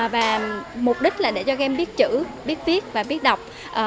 và mục đích là để cho các em biết chữ biết viết và biết đọc